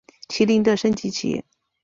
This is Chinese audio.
麒麟的升级棋。